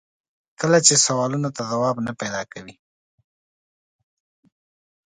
کله چې سوالونو ته ځواب نه پیدا کوي.